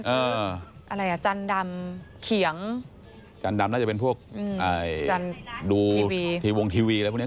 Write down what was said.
อะไรอ่ะจันดำเขียงจันดำน่าจะเป็นพวกดูทีวงทีวีอะไรพวกนี้